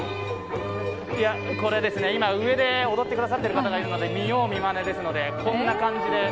これ、今、上で踊ってくださっている方がいますので、見よう見まねですので、こんな感じで。